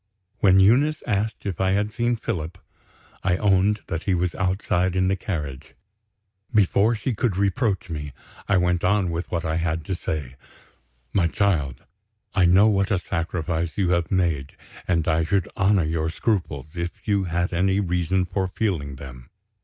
When Eunice asked if I had seen Philip, I owned that he was outside in the carriage. Before she could reproach me, I went on with what I had to say: "My child, I know what a sacrifice you have made; and I should honor your scruples, if you had any reason for feeling them."